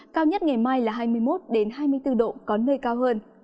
cao nhất ngày mai là hai mươi một hai mươi bốn độ có nơi cao hơn